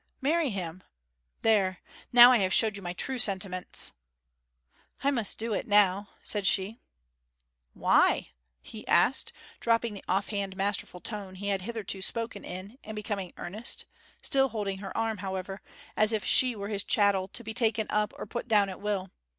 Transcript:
'Marry him. There, now I have showed you my true sentiments.' 'I must do it now,' said she. 'Why?' he asked, dropping the off hand masterful tone he had hitherto spoken in, and becoming earnest; still holding her arm, however, as if she were his chattel to be taken up or put down at will.